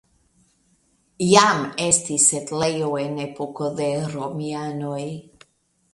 Jam estis setlejo en epoko de romianoj.